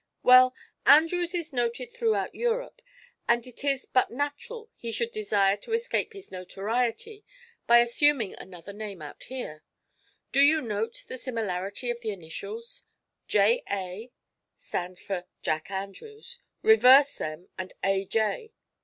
"Well, Andrews is noted throughout Europe, and it is but natural he should desire to escape his notoriety by assuming another name out here. Do you note the similarity of the initials? 'J.A.' stand for Jack Andrews. Reverse them and 'A.J.'